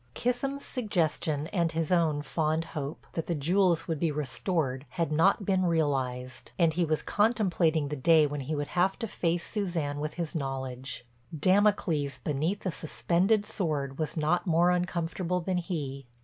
Kissam's suggestion and his own fond hope, that the jewels would be restored had not been realized, and he was contemplating the day when he would have to face Suzanne with his knowledge. Damocles beneath the suspended sword was not more uncomfortable than he.